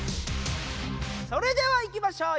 それではいきましょう。